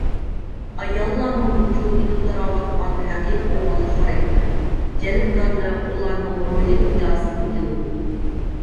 ئاياللارنىڭ ۋۇجۇدىدىن تاراۋاتقان ھەقىقىي ئاياللىق خاراكتېر، جەلپكارلىق ئۇلارنىڭ روھىي دۇنياسىدىن كېلىدۇ.